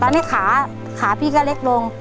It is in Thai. ตอนนี้ขาขาพี่ก็เล็กลง